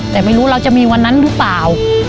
แต่ไม่รู้เราจะมีวันนั้นหรือเปล่า